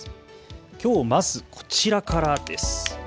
きょうまずこちらからです。